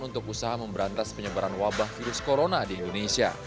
untuk usaha memberantas penyebaran wabah virus corona di indonesia